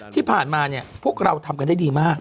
ที่ผ่านมาเนี่ยพวกเราทำกันได้ดีมาก